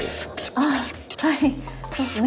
あぁはいそうっすね。